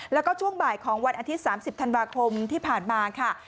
แล้วก็ช่วงบ่ายของวันอาทิตย์๓๐ธันวาคมที่ผ่านมาค่ะ